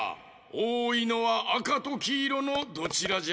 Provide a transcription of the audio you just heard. おおいのはあかときいろのどちらじゃ？